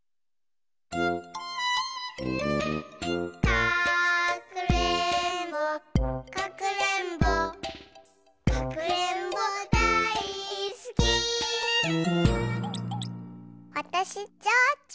「かくれんぼかくれんぼかくれんぼだいすき」わたしちょうちょ。